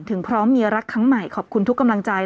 พร้อมมีรักครั้งใหม่ขอบคุณทุกกำลังใจ